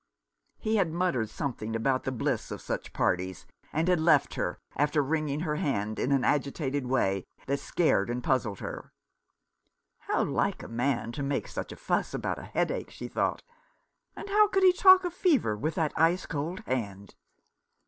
He had muttered something about the bliss of such parties, and had left her, after wringing her hand in an agitated way that scared and puzzled her. " How like a man to make such a fuss about a headache," she thought. " And how could he talk of fever with that ice cold hand